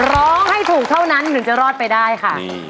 ร้องให้ถูกเท่านั้นถึงจะรอดไปได้ค่ะ